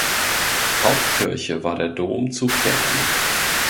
Hauptkirche war der Dom zu Verden.